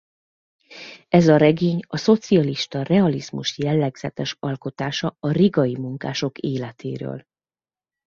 Ez a regény a szocialista realizmus jellegzetes alkotása a Rigai munkások életéről.